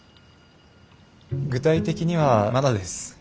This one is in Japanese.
具体的にはまだです。